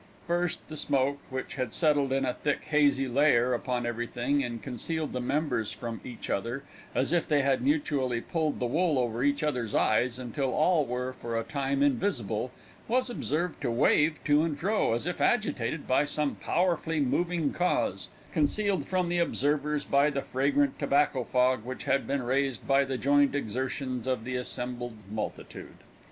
First the smoke, which had settled, in a thick, hazy layer, upon everything, and concealed the members from each other, as if they had mutually pulled the wool over each other's eyes until all were for a time invisible, was observed to wave to and fro, as if agitated by some powerfully moving cause, concealed from the observers by the fragrant tobacco fog which had been raised by the joint exertions of the assembled multitude.